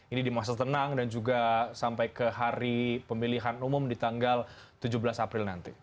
ini di masa tenang dan juga sampai ke hari pemilihan umum di tanggal tujuh belas april nanti